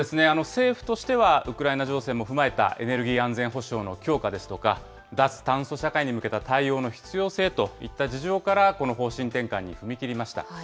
政府としてはウクライナ情勢も踏まえたエネルギー安全保障の強化ですとか、脱炭素社会に向けた対応の必要性といった事情から、この方針転換に踏み切りました。